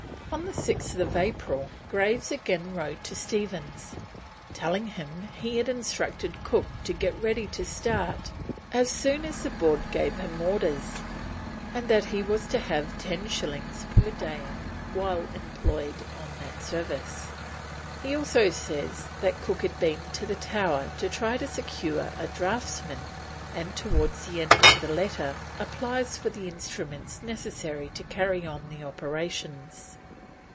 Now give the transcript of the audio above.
On 6th April Graves again wrote to Stephens, telling him he had instructed Cook to get ready to start as soon as the Board gave him orders, and that he was to have ten shillings per diem whilst employed on that service. He also says that Cook had been to the Tower to try to secure a draughtsman, and towards the end of the letter applies for the instruments necessary to carry on the operations.